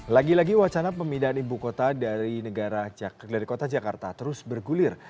lagi lagi wacana pemindahan ibu kota dari kota jakarta terus bergulir